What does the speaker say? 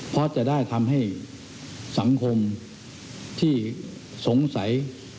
เพราะจะได้ทำให้สังคมที่สงสัย